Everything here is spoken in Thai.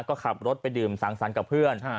ก็ขับรถไปดื่มสังสรรค์กับเพื่อน